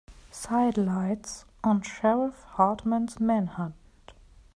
Sidelights on Sheriff Hartman's manhunt.